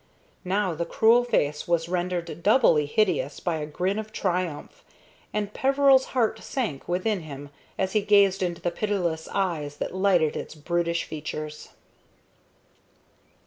Now the cruel face was rendered doubly hideous by a grin of triumph, and Peveril's heart sank within him as he gazed into the pitiless eyes that lighted its brutish features.